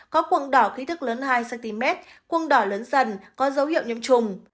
có cuồng đỏ khí thức lớn hai cm cuồng đỏ lớn dần có dấu hiệu nhâm trùng